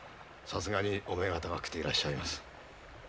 さすがにお目が高くていらっしゃいます。